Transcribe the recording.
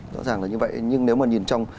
rõ ràng là như vậy nhưng nếu mà nhìn trong